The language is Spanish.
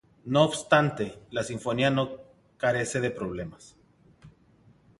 No obstante, la sinfonía no carece de problemas.